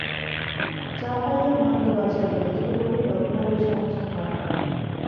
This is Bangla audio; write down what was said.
চা পাইয়া মহেন্দ্র বাঁচিয়া গেল, তবু বলিল, বিহারীর সমস্ত বাড়াবাড়ি।